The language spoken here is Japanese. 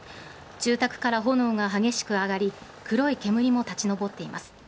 住宅から炎が激しく上がり黒い煙も立ち上っています。